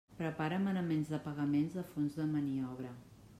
Prepara manaments de pagaments de fons de maniobra.